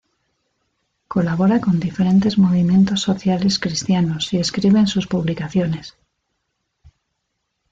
Colabora con diferentes movimientos sociales cristianos y escribe en sus publicaciones.